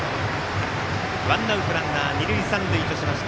ワンアウト、二塁三塁としました。